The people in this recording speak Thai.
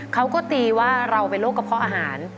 เขาก็ตีว่าเราเป็นโรคกระเพาะอาหาร